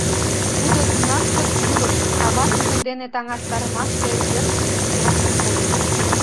Тудо тунар чот йӱлыш — кава тудын дене таҥастарымаште йӧршын пычкемышын койо.